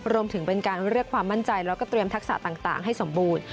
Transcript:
รวมถึงเป็นการเรียกความมั่นใจแล้วก็เตรียมทักษะต่างให้สมบูรณ์